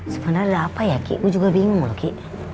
sebenernya ada apa ya ki gua juga bingung loh ki